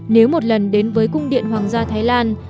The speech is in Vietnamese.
nếu một lần đến với cung điện hoàng gia thái lan